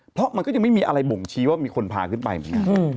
เพราะมันก็ยังไม่มีอะไรบ่งชี้ว่ามีคนพาขึ้นไปเหมือนกัน